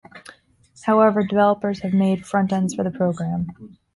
However, developers have made frontends for the program.